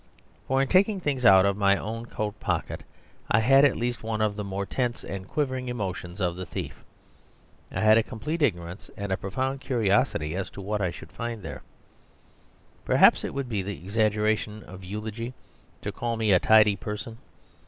For in taking things out of my own pocket I had at least one of the more tense and quivering emotions of the thief; I had a complete ignorance and a profound curiosity as to what I should find there. Perhaps it would be the exaggeration of eulogy to call me a tidy person.